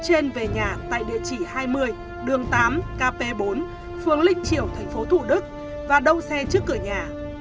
anh định về nhà tại địa chỉ hai mươi đường tám kp bốn phường linh triểu thành phố thủ đức và đầu xe trước cửa nhà